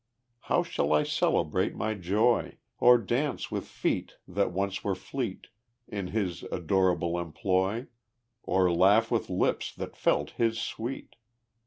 How shall I celebrate my joy? Or dance with feet that once were fleet In his adorable employ? Or laugh with lips that felt his sweet?